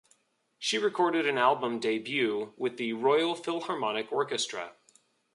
She recorded an album "Debut" with the Royal Philharmonic Orchestra.